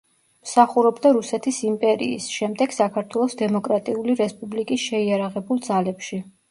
მსახურობდა რუსეთის იმპერიის, შემდეგ საქართველოს დემოკრატიული რესპუბლიკის შეიარაღებულ ძალებში.